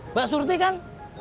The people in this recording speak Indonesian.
mbak surti kan